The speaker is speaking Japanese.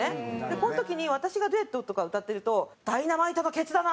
この時に私がデュエットとか歌ってると「ダイナマイトなケツだな。